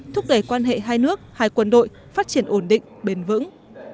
thúc đẩy quan hệ hai nước hai quân đội phát triển ổn định bền vững